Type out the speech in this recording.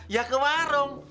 ya ke warung